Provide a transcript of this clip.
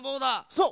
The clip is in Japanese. そう！